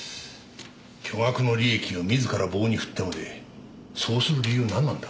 巨額の利益を自ら棒に振ってまでそうする理由なんなんだ？